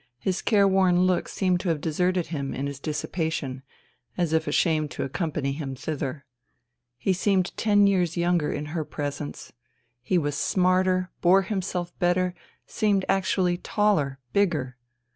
His careworn look seemed to have deserted him in his dissipation, as if ashamed to accompany him thither. He seemed THE THREE SISTERS 57 ten years younger in her presence. He was smarter, bore himself better, seemed actually taller, bigger.